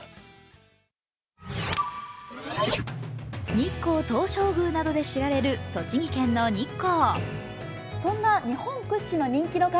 日光東照宮などで知られる栃木県の日光。